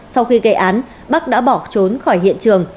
sau khi gây án bắc đã bỏ trốn khỏi hiện trường